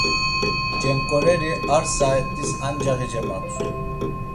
Cenǩoreri ar saat̆is ancaği cematzu.